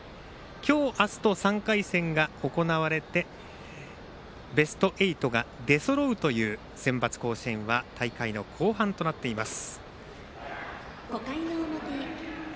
今日、明日と３回戦が行われてベスト８が出そろうというセンバツ甲子園は大会の後半となっています。